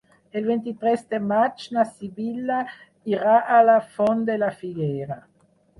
El vint-i-tres de maig na Sibil·la irà a la Font de la Figuera.